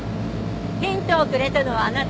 ヒントをくれたのはあなた。